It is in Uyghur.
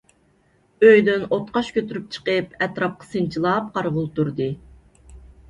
ئۆيدىن ئوتقاش كۆتۈرۈپ چىقىپ، ئەتراپقا سىنچىلاپ قارىغىلى تۇردى.